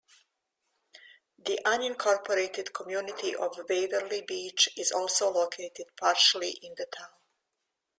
The unincorporated community of Waverly Beach is also located partially in the town.